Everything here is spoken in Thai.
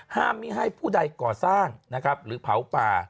ห้ามให้ผู้ใดก่อสร้างหรือเผาป่า